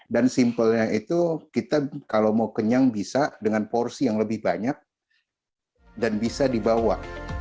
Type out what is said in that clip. dan simpelnya itu kita kalau mau kenyang bisa dengan porsi yang lebih banyak dan bisa dibawa